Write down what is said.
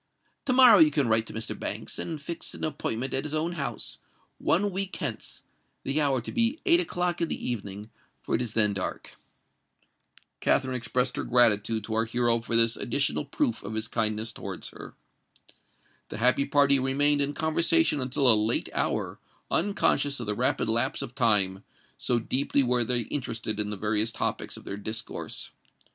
To morrow you can write to Mr. Banks, and fix an appointment at his own house—one week hence—the hour to be eight o'clock in the evening, for it is then dark." Katherine expressed her gratitude to our hero for this additional proof of his kindness towards her. The happy party remained in conversation until a late hour—unconscious of the rapid lapse of time, so deeply were they interested in the various topics of their discourse.